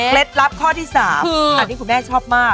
ลับข้อที่๓อันนี้คุณแม่ชอบมาก